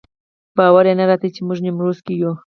باور یې نه راته چې موږ نیمروز کې یو.